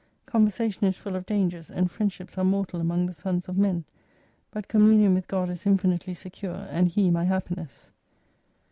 Con versation is full of dangers, and friendships are mortal among the sons of men. But communion with God is infin tely secure, and He my Happiness.